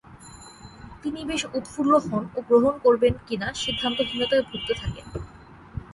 তিনি বেশ উৎফুল্ল হন ও গ্রহণ করবেন কি-না সিদ্ধান্তহীনতায় ভুগতে থাকেন।